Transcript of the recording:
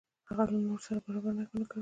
که هغه له نورو سره برابر ونه ګڼو.